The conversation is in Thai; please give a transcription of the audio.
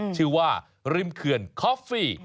ชื่อว่าริมเขื่อนคอฟฟี่